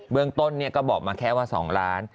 เมืองต้นก็บอกมาแค่ว่า๒ล้าน